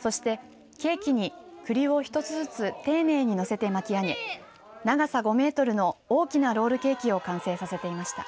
そして、ケーキにくりを１つずつ丁寧にのせて巻き上げ長さ５メートルの大きなロールケーキを完成させていました。